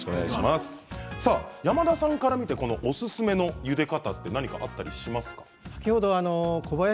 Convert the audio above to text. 山田さんから見ておすすめのゆで方はありますか。